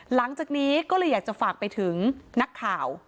หลังจากนี้ก็เลยอยากจะฝากไปถึงนักข่าว